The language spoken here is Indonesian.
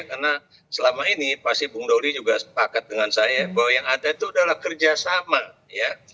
karena selama ini pasti bung dori juga sepakat dengan saya bahwa yang ada itu adalah kerjasama ya